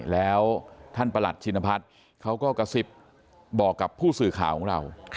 แล้วท่านประหลัดชินพัฒน์เขาก็กระซิบบอกกับผู้สื่อข่าวของเรา